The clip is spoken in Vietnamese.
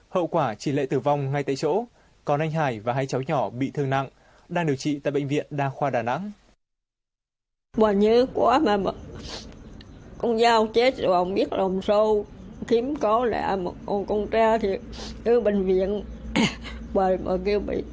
hậu quả chị lệ tử vong ngay tại chỗ còn anh hải và hai cháu nhỏ bị thương nặng đang điều trị tại bệnh viện đa khoa đà nẵng